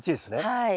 はい。